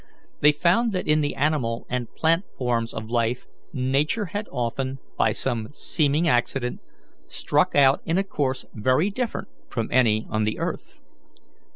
They found that in the animal and plant forms of life Nature had often, by some seeming accident, struck out in a course very different from any on the earth.